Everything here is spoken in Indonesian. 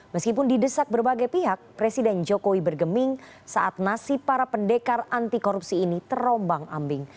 meskipun didesak berbagai pihak presiden jokowi bergeming saat nasib para pendekar anti korupsi ini terombang ambing